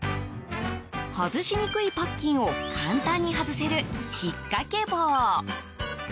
外しにくいパッキンを簡単に外せる引っ掛け棒。